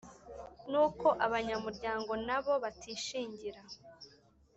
N uko abanyamuryango nabo batishingira